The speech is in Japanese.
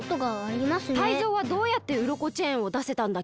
タイゾウはどうやってウロコチェーンをだせたんだっけ？